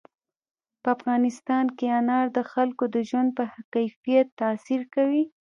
په افغانستان کې انار د خلکو د ژوند په کیفیت تاثیر کوي.